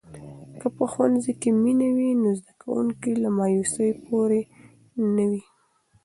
که په ښوونځي کې مینه وي، نو زده کوونکي له مایوسۍ پورې نه وي.